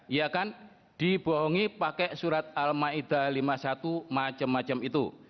iya kan dibohongi pakai surat al ma'idah lima puluh satu macem macem itu